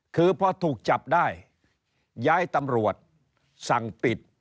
คือพอถูกจับได้ย้ายตำรวจสั่งปิด